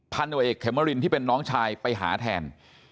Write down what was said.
โนเอกเขมรินที่เป็นน้องชายไปหาแทน